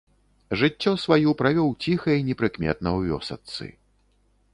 Жыццё сваю правёў ціха і непрыкметна ў вёсачцы.